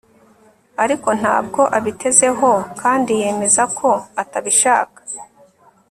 ariko ntabwo abitezeho kandi yemeza ko atabishaka